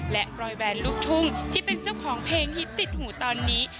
และรอยแวนลูกทุ่งที่เป็นเจ้าของเพลงฮิตติดหูตอนนี้